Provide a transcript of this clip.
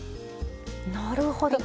なるほど。